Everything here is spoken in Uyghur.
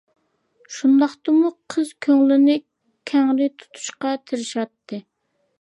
شۇنداقتىمۇ قىز كۆڭلىنى كەڭرەك تۇتۇشقا تىرىشاتتى.